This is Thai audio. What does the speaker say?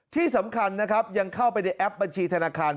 ที่สำคัญนะครับยังเข้าไปในแอปบัญชีธนาคาร